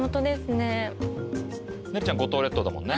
ねるちゃん五島列島だもんね。